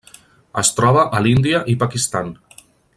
Es troba a l'Índia i Pakistan.